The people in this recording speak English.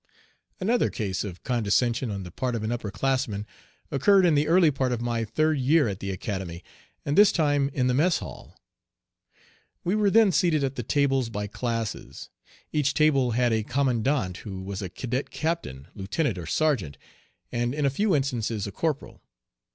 Another case of condescension on the part of an upper classman occurred in the early part of my third year at the Academy, and this time in the mess hall. We were then seated at the tables by classes. Each table had a commandant, who was a cadet captain, lieutenant or sergeant, and in a few instances a corporal.